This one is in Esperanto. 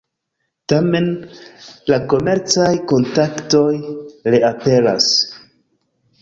Tamen, la komercaj kontaktoj reaperas.